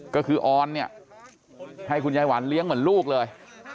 ก็คือออนเนี่ยให้คุณยายหวานเลี้ยงเหมือนลูกเลย